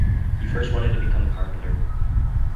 He first wanted to become a carpenter.